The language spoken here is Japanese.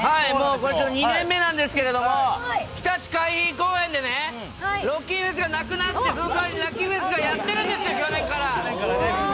こちら２年目なんですけどひたち海浜公園でロッキンフェスがなくなってそのかわりＬｕｃｋｙＦｅｓをやってるんですよ、去年から。